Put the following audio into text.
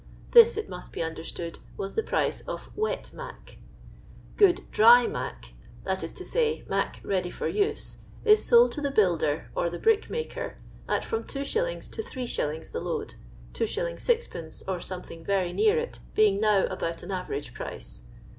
This, it must be understood, was the price of " v>ei mac." Good dry mac," that is to say, "mac" ready for use, is sold to the builder or the brick maker at from 2s, to 3«. the load ; 2s. Qd., or something very near it, being now about an average price.